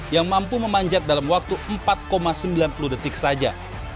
yang mampu memanjat dalam waktu empat sembilan puluh detik saja